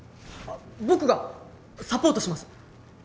僕がサポートします。